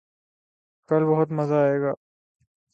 کل بہت مزہ آئے گا